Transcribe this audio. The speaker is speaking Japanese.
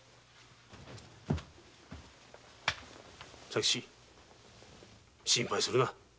佐吉心配するな。